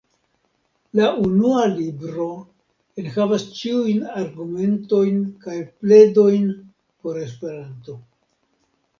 La Unua Libro enhavas ĉiujn argumentojn kaj pledojn por Esperanto.